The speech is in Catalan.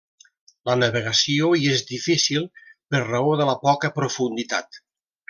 La navegació hi és difícil per raó de la poca profunditat.